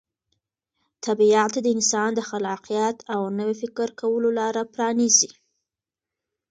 طبیعت د انسان د خلاقیت او نوي فکر کولو لاره پرانیزي.